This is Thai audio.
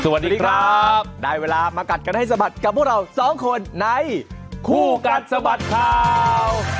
สวัสดีครับได้เวลามากัดกันให้สะบัดกับพวกเราสองคนในคู่กัดสะบัดข่าว